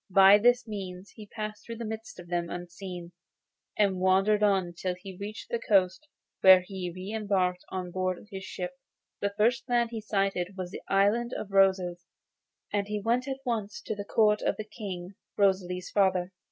By this means he passed through the midst of them unseen, and wandered on till he reached the coast, where he re embarked on board his ship. The first land he sighted was the Island of Roses, and he went at once to the court of the King, Rosalie's father.